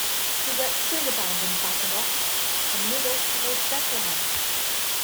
De Wet soon abandoned Bakenkop and made off towards Bethlehem.